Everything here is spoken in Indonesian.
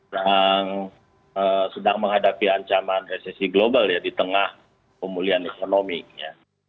yang sedang menghadapi ancaman resesi global ya di tengah pemulihan ekonomi ya